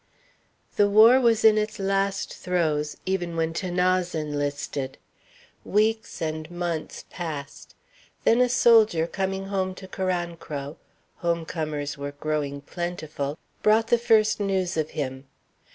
The war was in its last throes even when 'Thanase enlisted. Weeks and months passed. Then a soldier coming home to Carancro home comers were growing plentiful brought the first news of him.